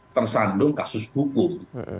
tersandung kasus hukum